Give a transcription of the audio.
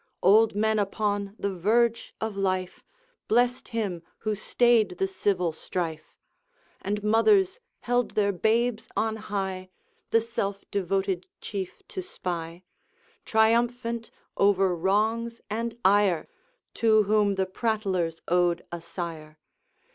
Old men upon the verge of life Blessed him who stayed the civil strife; And mothers held their babes on high, The self devoted Chief to spy, Triumphant over wrongs and ire, To whom the prattlers owed a sire.